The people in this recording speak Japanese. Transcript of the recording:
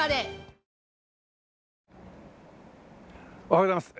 おはようございます。